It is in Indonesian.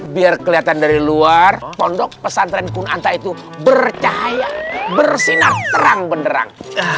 biar kelihatan dari luar pondok pesantren kunanta itu bercahaya bersinar terang benderang